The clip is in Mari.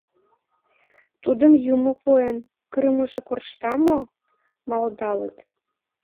«Тудым Юмо пуэн, кырымыже коршта мо?» — малдалыт.